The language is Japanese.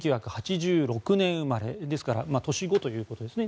１９８６年生まれですから年子ということですね。